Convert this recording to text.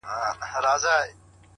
د هدف وضاحت ګډوډي ختموي!